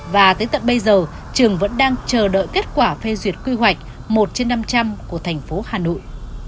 và tới tận bây giờ trường vẫn đang chờ đợi kết quả phê duyệt quy hoạch một trên năm trăm linh của thành phố hà nội